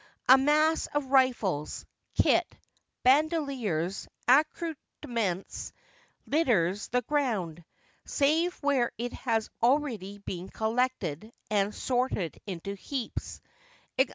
A mass of rifles, kit, bandoliers, accoutrements litters the ground, save where it has already been collected and sorted into heaps.